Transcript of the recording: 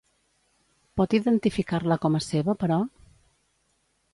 Pot identificar-la com a seva, però?